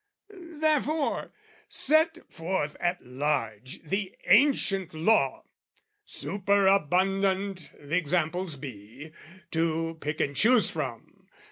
Therefore set forth at large the ancient law! Superabundant the examples be To pick and choose from.